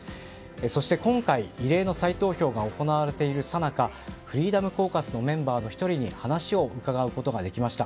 そして今回異例の再投票が行われているさなかフリーダム・コーカスのメンバーの１人に話を伺うことができました。